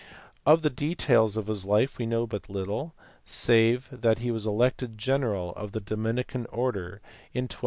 Of the details of his life we know but little, save that he was elected general of the Dominican order in 1222.